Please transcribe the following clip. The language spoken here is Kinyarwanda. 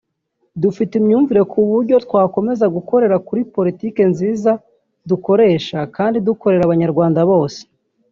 dufite imyumvire ku buryo twakomeza gukorera kuri politiki nziza dukoresha kandi dukorera abanyarwanda bose